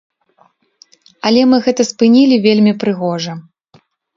Але мы гэта спынілі вельмі прыгожа.